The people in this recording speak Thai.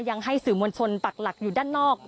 ยังให้สื่อมวลชนปักหลักอยู่ด้านนอก